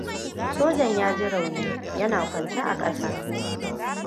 Sojan ya ji rauni yana akwance a ƙasa.